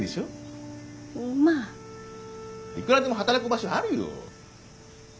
いくらでも働く場所あるよ。